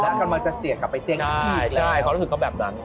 แล้วทระมาทจะเสียกลับไปเจ้งใช่ความรู้สึกแบบนั้น